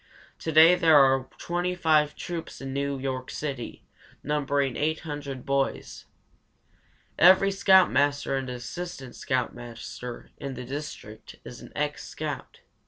To day there are 25 troops in New York City, numbering 800 boys. Every scoutmaster and assistant scoutmaster in the district is an ex scout.